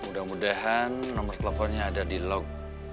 mudah mudahan nomor teleponnya ada di log